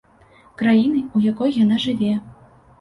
Краіны, у якой яна жыве.